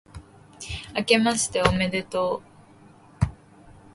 明けましておめでとう